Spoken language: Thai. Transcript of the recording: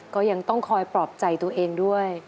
ก็ยังต้องคอยปลอบใจตัวเองด้วย